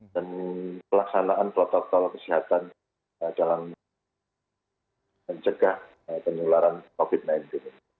dan pelaksanaan protokol kesehatan jalan mencegah penularan covid sembilan belas